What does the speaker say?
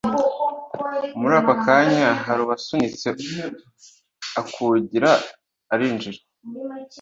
murako kanya haruwasunitse akugira arinjira.